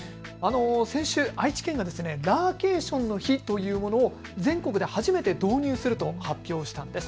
先週、愛知県がラーケーションの日というものを全国で初めて導入すると発表したんです。